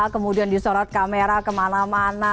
kemudian disorot kamera kemana mana